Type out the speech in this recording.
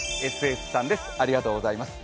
ＳＳ，さんですありがとうございます。